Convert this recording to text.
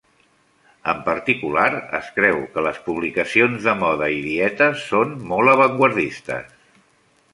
En particular, es creu que les publicacions de moda i dietes són molt avantguardistes.